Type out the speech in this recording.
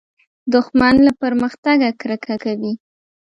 دښمن له پرمختګه کرکه کوي